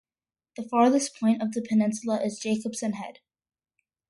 The farthest point of the peninsula is Jacobsen Head.